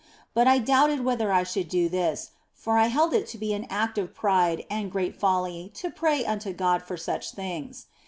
But I doubted whether I should do this, for I held it to be an act of pride and great folly to pray unto God for such things.